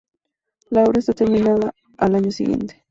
La obra está terminada al año siguiente.